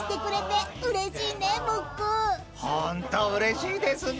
［ホントうれしいですな］